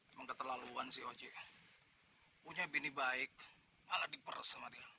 emang keterlaluan si ojk punya bini baik malah diperes sama dia